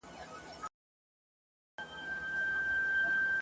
پر مزلونو د کرې ورځي پښېمان سو !.